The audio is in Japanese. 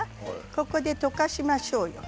ここで溶かしましょう。